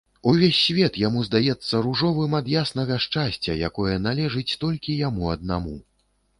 Увесь свет яму здаецца ружовым ад яснага шчасця, якое належыць толькі яму аднаму.